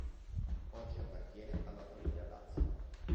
Oggi appartiene alla famiglia Dazzi.